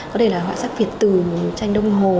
có thể là họa sắc việt từ tranh đông hồ